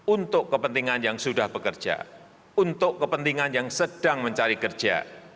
untuk kepentingan yang sudah bekerja untuk kepentingan yang sedang mencari kerja